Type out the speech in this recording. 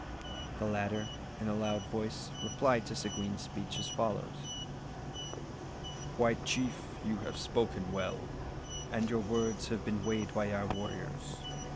The latter in a loud voice replied to Seguin's speech as follows "White chief! you have spoken well, and your words have been weighed by our warriors.